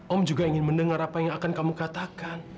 om juga ingin mendengar apa yang akan kamu katakan